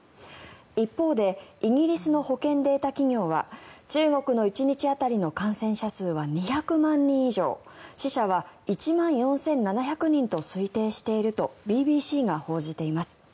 一方でイギリスの保険データ企業は中国の１日当たりの感染者数は２００万人以上死者は１万４７００人と推定しているとＢＢＣが報じています。